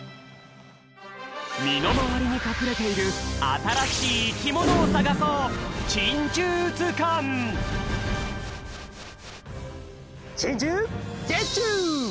みのまわりにかくれているあたらしいいきものをさがそうチンジューゲッチュ！